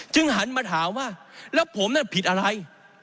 หันมาถามว่าแล้วผมน่ะผิดอะไร